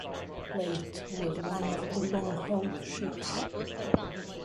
"Leyte" was one of the "long-hull" ships.